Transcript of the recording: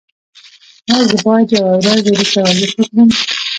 ایا زه باید یوه ورځ وروسته ورزش وکړم؟